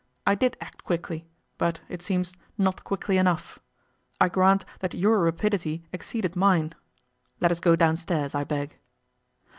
I did act quickly, but, it seems, not quickly enough. I grant that your rapidity exceeded mine. Let us go downstairs, I beg.